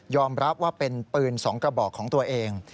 รับว่าเป็นปืน๒กระบอกของตัวเอง